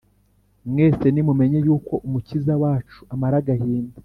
Mwese nimumenye yuko umukiza wacu amara agahinda